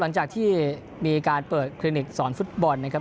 หลังจากที่มีการเปิดคลินิกสอนฟุตบอลนะครับ